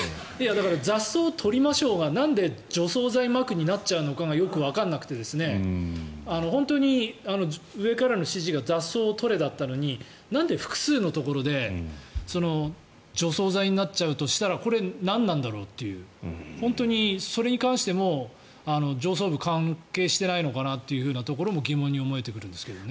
だから雑草を取りましょうがなんで除草剤をまくになるのかよくわからなくて本当に上からの指示が雑草を取れだったのになんで複数のところで除草剤になっちゃうとしたらこれ、何なんだろうというそれに関しても上層部は関係してないのかなというのも疑問に思えてくるんですけどね。